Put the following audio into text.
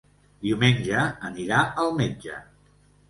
Diumenge anirà al metge.